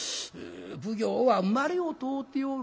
奉行は生まれを問うておる。